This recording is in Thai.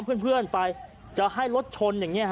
เพื่อนไปจะให้รถชน